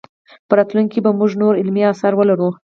په راتلونکي کې به موږ نور علمي اثار ولرو.